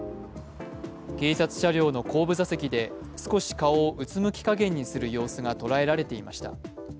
警察車両の後部座席で少し顔をうつむき加減にする様子が捉えられていました。